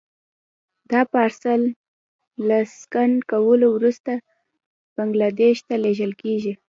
دا پارسل له سکن کولو وروسته بنګلادیش ته لېږل کېږي.